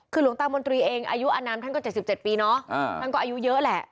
คือหลวงตามนตรีเองอายุอนามท่านก็๗๗ปีเนาะท่านก็อายุเยอะแหละ